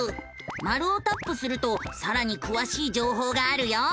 マルをタップするとさらにくわしい情報があるよ。